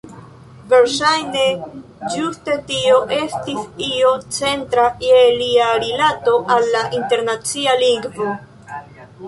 Verŝajne ĝuste tio estis io centra je lia rilato al la internacia lingvo.